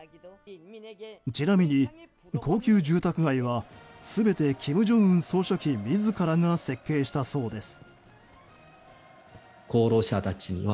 ちなみに、高級住宅街は全て金正恩総書記自らが設計したそうです。